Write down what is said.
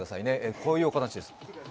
こういうお話です。